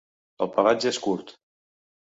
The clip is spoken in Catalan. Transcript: El pelatge és curt.